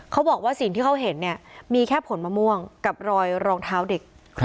เขาบอกว่าสิ่งที่เขาเห็นเนี่ยมีแค่ผลมะม่วงกับรอยรองเท้าเด็ก